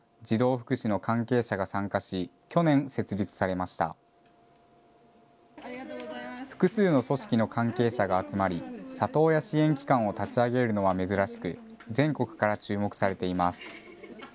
複数の組織の関係者が集まり里親支援機関を立ち上げるのは珍しく、全国から注目されています。